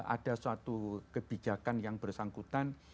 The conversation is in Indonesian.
ada suatu kebijakan yang bersangkutan